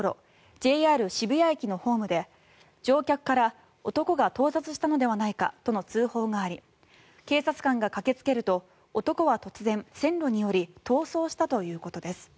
ＪＲ渋谷駅のホームで乗客から男が盗撮したのではないかとの通報があり警察官が駆けつけると男は突然、線路に下り逃走したということです。